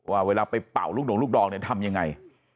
ว่าเวลาไปเป่าลูกดงลูกดองเนี่ยทำยังไง